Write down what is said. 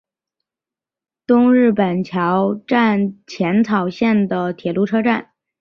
东日本桥站浅草线的铁路车站。